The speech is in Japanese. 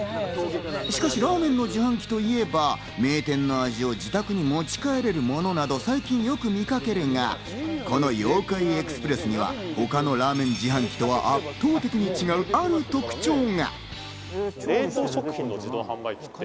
しかしラーメンの自販機といえば、名店の味を自宅に持ち帰れるものなど最近よく見かけるが、このＹｏ−ＫａｉＥｘｐｒｅｓｓには他のラーメン自販機と圧倒的に違う、ある特徴が。